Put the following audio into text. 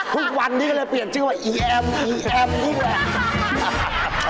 ทุกวันนี้ก็เลยเปลี่ยนชื่อว่าอีแอมอีแอมนี่แหละ